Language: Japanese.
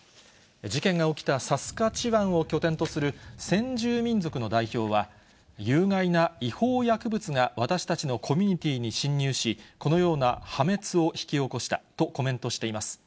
事件が起きたサスカチワンを拠点とする先住民族の代表は、有害な違法薬物が私たちのコミュニティーに侵入し、このような破滅を引き起こしたとコメントしています。